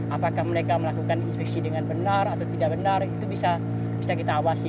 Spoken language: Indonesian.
apakah mereka melakukan inspeksi dengan benar atau tidak benar itu bisa kita awasi